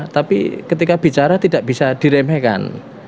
tapi ketika bicara tidak bisa diremehkan